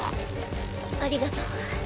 ありがとう。